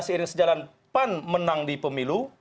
seiring sejalan pan menang di pemilu